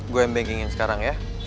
gua embenggingin sekarang ya